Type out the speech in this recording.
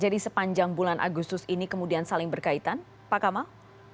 jadi sepanjang bulan agustus ini kemudian saling berkaitan pak kamal